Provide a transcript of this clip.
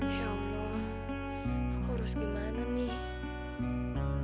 ya allah aku harus gimana nih